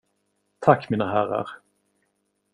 Tack, mina herrar.